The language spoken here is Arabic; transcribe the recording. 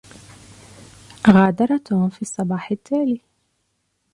غادر توم في الصباح التالي.